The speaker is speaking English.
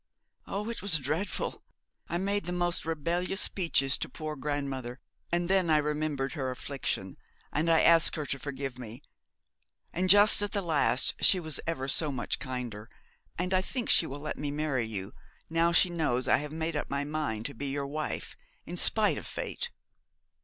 'Oh, it was dreadful! I made the most rebellious speeches to poor grandmother, and then I remembered her affliction, and I asked her to forgive me, and just at the last she was ever so much kinder, and I think that she will let me marry you, now she knows I have made up my mind to be your wife in spite of Fate.'